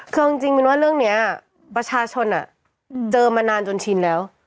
คือจริงว่าเรื่องเนี้ยประชาชนอ่ะเจอมานานจนชินแล้ว